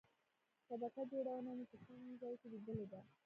شبکه جوړونه مو په کوم ځای کې لیدلې ده؟